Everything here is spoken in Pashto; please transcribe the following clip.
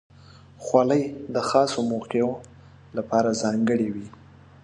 خولۍ د خاصو موقعو لپاره ځانګړې وي.